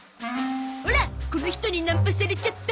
オラこの人にナンパされちゃった。